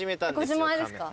ご自前ですか？